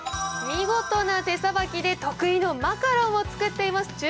見事な手さばきで得意のマカロンを作っています。